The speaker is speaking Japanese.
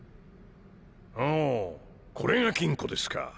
ほぉこれが金庫ですか。